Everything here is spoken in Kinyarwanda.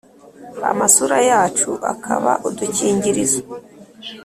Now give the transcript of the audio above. Amasura yacu akaba udukingirizo